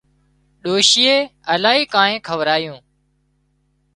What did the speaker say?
ڏوشيئي الاهي ڪانيئن کورايون